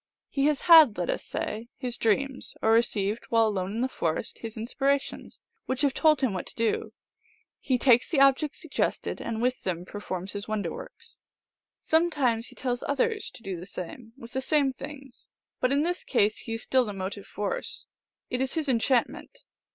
He has had, let us say, his dreams, or received, while alone in the forest, his inspirations, which have told him what to do. He takes the ob jects suggested, and with them performs his wonder works. Sometimes he tells others to do the same with the same things, but in this case he is still the motive force ; it is his enchantment.